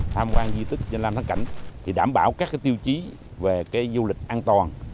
tham quan di tích danh thắng cảnh đảm bảo các tiêu chí về du lịch an toàn